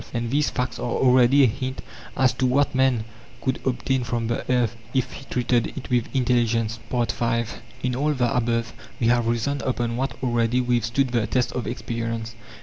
And these facts are already a hint as to what man could obtain from the earth if he treated it with intelligence. V In all the above we have reasoned upon what already withstood the test of experience.